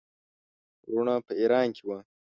وروڼه په ایران کې وه.